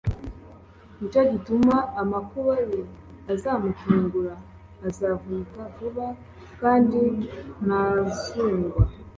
ni cyo gituma amakuba ye azamutungura, azavunika vuba kandi ntazungwa